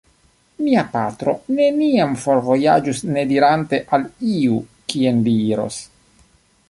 Mia patro neniam forvojaĝus nedirante al iu kien li iros.